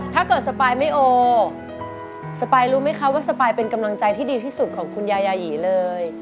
สปายไม่โอสปายรู้ไหมคะว่าสปายเป็นกำลังใจที่ดีที่สุดของคุณยายาหยีเลย